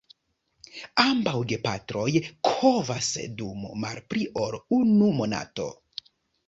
Ambaŭ gepatroj kovas dum malpli ol unu monato.